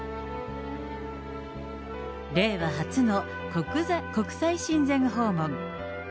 令和初の国際親善訪問。